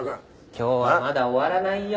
今日はまだ終わらないよ。